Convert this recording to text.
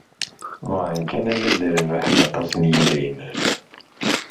Bɣan kan ad d-rebḥen aṭas n yedrimen.